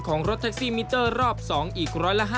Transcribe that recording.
รถแท็กซี่มิเตอร์รอบ๒อีก๑๕